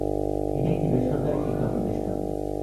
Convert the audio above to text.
এটি একটি বেসরকারী শিক্ষা প্রতিষ্ঠান।